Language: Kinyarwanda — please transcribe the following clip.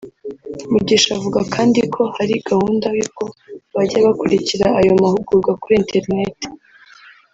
Mugisha avuga kandi ko hari gahunda y’uko bajya bakurikira ayo mahugurwa kuri internet